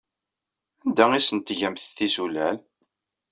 Anda ay asent-tgamt tisulal?